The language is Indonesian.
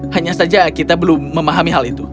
hanya saja kita belum memahami hal itu